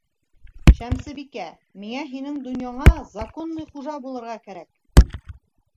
Шәмсебикә, миңә һинең донъяңа законный хужа булырға кәрәк.